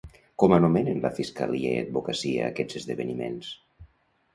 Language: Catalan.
Com anomenen la fiscalia i advocacia aquests esdeveniments?